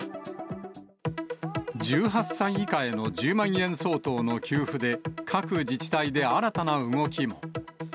１８歳以下への１０万円相当の給付で、各自治体で新たな動きも。